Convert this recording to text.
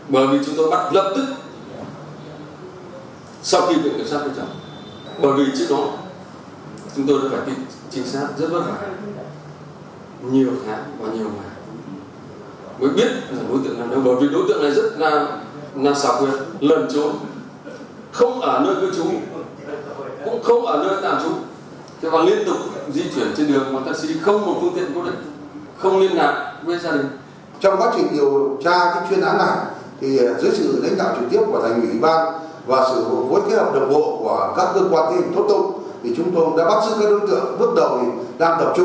bởi vì chúng tôi bắt lập tức sau khi được kiểm tra bởi vì trước đó chúng tôi đã phải kiểm tra rất vất vả nhiều khả quá nhiều khả mới biết là đối tượng này đâu